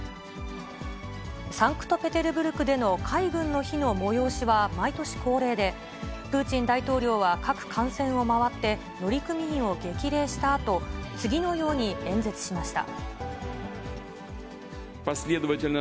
サンクトペテルブルクでの海軍の日の催しは毎年恒例で、プーチン大統領は各艦船を回って、乗組員を激励したあと、次のように演説しました。